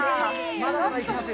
まだまだいきますよ。